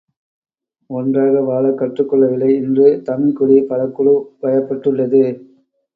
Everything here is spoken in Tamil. ஒன்றாக வாழக் கற்றுக் கொள்ளவில்லை, இன்று தமிழ்க்குடி பல குழு வயப்பட்டுள்ளது.